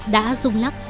đã rung lắc